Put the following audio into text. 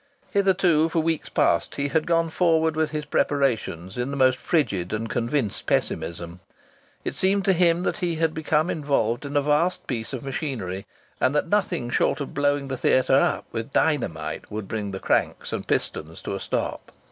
Hitherto, for weeks past, he had gone forward with his preparations in the most frigid and convinced pessimism. It seemed to him that he had become involved in a vast piece of machinery, and that nothing short of blowing the theatre up with dynamite would bring the cranks and pistons to a stop.